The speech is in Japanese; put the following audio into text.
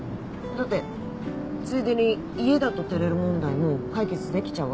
だってついでに家だと照れる問題も解決できちゃうわけでしょ？